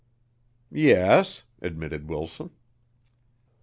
"Yes," admitted Wilson.